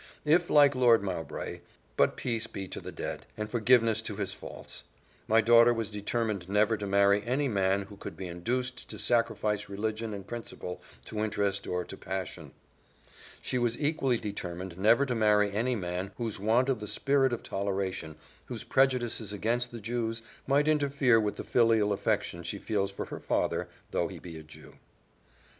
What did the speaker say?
If, like Lord Mowbray but peace be to the dead! and forgiveness to his faults. My daughter was determined never to marry any man who could be induced to sacrifice religion and principle to interest or to passion. She was equally determined never to marry any man whose want of the spirit of toleration, whose prejudices against the Jews, might interfere with the filial affection she feels for her father though he be a Jew."